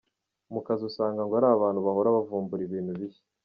Mu kazi usanga ngo ari abantu bahora bavumbura ibintu bishya,.